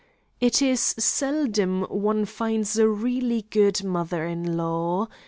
It is seldom one finds a really good mother in law.